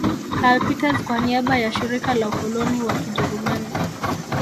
Karl Peters kwa niaba ya Shirika la Ukoloni wa Kijerumani